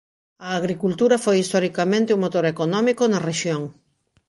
A agricultura foi historicamente o motor económico na rexión.